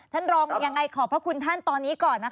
ท่านรองยังไงขอบพระคุณท่านตอนนี้ก่อนนะคะ